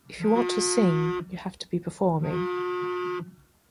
If you want to sing you have to be performing.